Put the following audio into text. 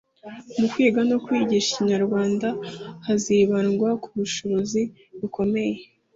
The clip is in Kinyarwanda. mu kwiga no kwigisha ikinyarwanda hazibandwa ku bushobozi bukomeye